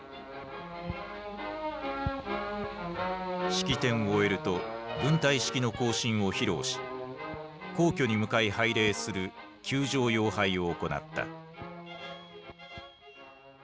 式典を終えると軍隊式の行進を披露し皇居に向かい拝礼する宮城遥拝を行った。